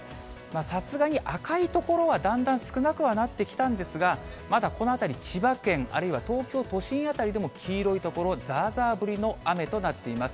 さすがに赤い所はだんだん少なくはなってきたんですが、まだこの辺り、千葉県、あるいは東京都心辺りでも黄色い所、ざーざー降りの雨となっています。